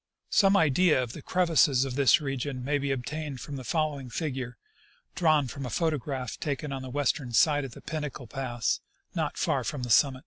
Some idea of the crevasses of this region may be obtained from the following figure, drawn from a photograph taken on the western side of Pinnacle pass, not far from the summit.